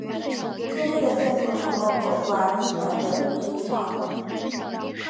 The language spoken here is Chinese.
境内的建筑还包括布阿集团的炼油厂等。